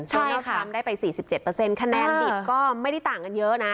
ใช่ค่ะได้ไปสี่สิบเจ็ดเปอร์เซ็นต์คะแนนดิบก็ไม่ได้ต่างกันเยอะนะ